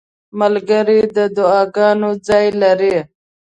ملګری د دعاګانو ځای لري.